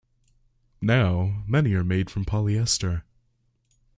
Now, many are made from polyester.